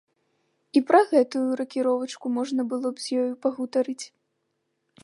І пра гэтую ракіровачку можна было б з ёю пагутарыць.